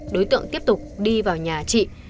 đối tượng tiếp tục đi vào nhà chị